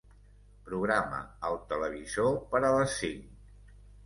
Programa el televisor per a les cinc.